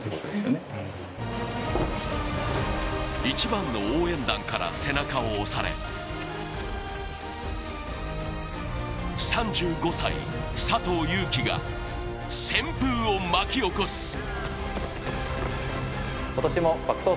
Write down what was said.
一番の応援団から背中を押され３５歳、佐藤悠基が旋風を巻き起こす。